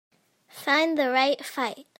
Find The Right Fight